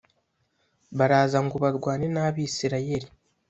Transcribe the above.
Baraza ngo barwane n’Abisirayeli